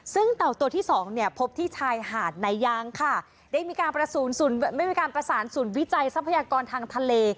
ซึ่งเต่าตัวที่สองเนี่ยพบที่ชายหาดนายางค่ะได้มีการประสูญไม่มีการประสานศูนย์วิจัยทรัพยากรทางทะเล